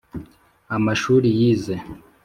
amashuri yize,…